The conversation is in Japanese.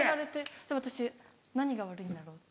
で私何が悪いんだろうって。